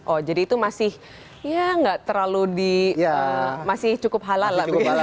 oh jadi itu masih ya nggak terlalu di masih cukup halal lah